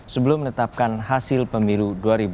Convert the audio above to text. sebelum menetapkan hasil pemilu dua ribu dua puluh